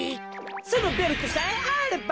そのベルトさえあれば。